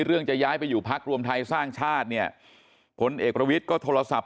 เรื่องจะย้ายไปอยู่พลักศาสน์รวมไทยสร้างชาตินี่ผลเอกประวิทธิ์ก็โทรศัพท์